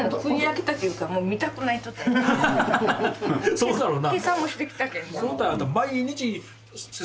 そうだろうな。